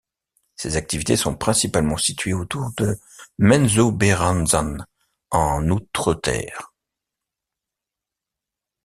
Ses activités sont principalement situées autour de Menzoberranzan, en Outreterre.